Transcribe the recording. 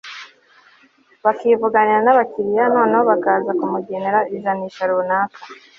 bakivuganira n'abakiliya noneho bakaza kumugenera ijanisha runaka